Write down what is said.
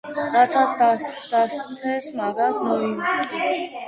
რასაც დასთეს მაგას მოიმკი